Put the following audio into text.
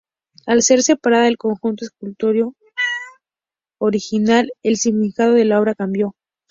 Al ser separada del conjunto escultórico original, el significado de la obra cambió.